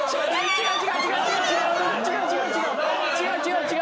違う違う違う！